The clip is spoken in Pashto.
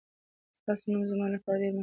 ستاسو نوم زما لپاره ډېر مهم دی.